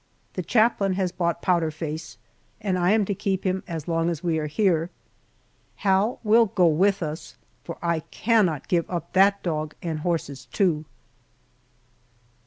The chaplain has bought Powder Face, and I am to keep him as long as we are here. Hal will go with us, for I cannot give up that dog and horses, too.